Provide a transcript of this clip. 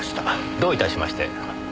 どういたしまして。